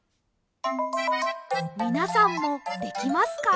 みなさんもできますか？